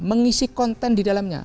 mengisi konten di dalamnya